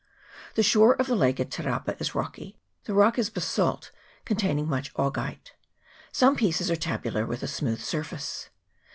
The shore of the lake at Te rapa is rocky ; the rock is basalt, containing much augite. Some pieces are tabular, with a smooth surface.